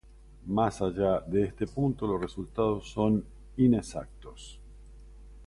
Más allá de este punto los resultados son inexactos.